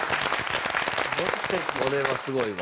これはすごいわ。